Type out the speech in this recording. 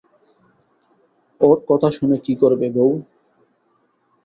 ওর কথা শুনে কী করবে বৌ?